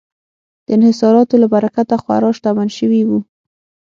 د انحصاراتو له برکته خورا شتمن شوي وو.